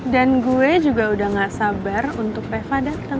dan gue juga udah gak sabar untuk reva dateng